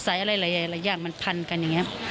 อะไรหลายอย่างมันพันกันอย่างนี้